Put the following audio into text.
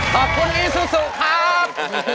ขอบคุณอีซูซูครับ